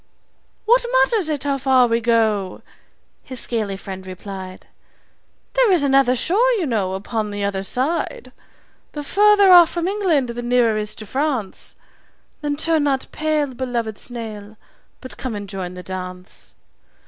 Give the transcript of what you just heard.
"What matters it how far we go?" his scaly friend replied. "There is another shore, you know, upon the other side. The further off from England the nearer is to France Then turn not pale, beloved snail, but come and join the dance.